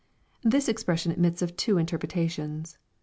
] This expression admits of two interpretations.